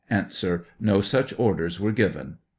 No such orders were given